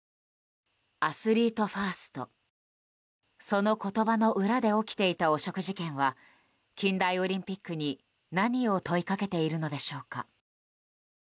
その言葉の裏で起きていた汚職事件は近代オリンピックに、何を問いかけているのでしょうか。